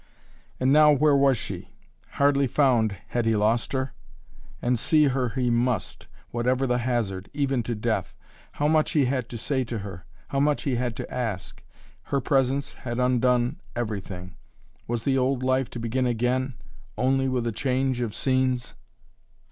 And now where was she? Hardly found had he lost her? And see her he must whatever the hazard, even to death. How much he had to say to her. How much he had to ask. Her presence had undone everything. Was the old life to begin again, only with a change of scenes?